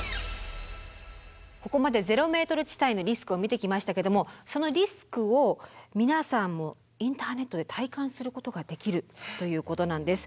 ここまでゼロメートル地帯のリスクを見てきましたけどもそのリスクを皆さんもインターネットで体感することができるということなんです。